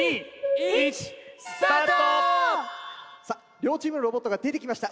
両チームのロボットが出てきました。